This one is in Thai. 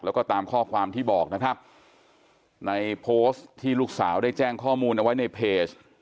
แล้วก็ตามข้อความที่บอกนะครับในโพสต์ที่ลูกสาวได้แจ้งข้อมูลเอาไว้ในเพจ